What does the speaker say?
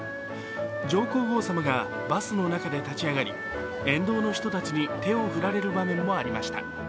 上皇后さまがバスの中で立ち上がり、沿道の人たちに手を振られる場面もありました。